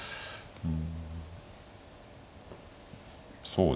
うん。